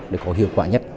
để có hiệu quả nhất